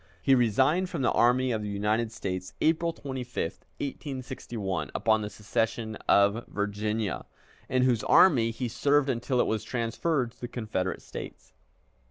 He resigned from the Army of the United States, April 25, 1861, upon the secession of Virginia, in whose army he served until it was transferred to the Confederate States.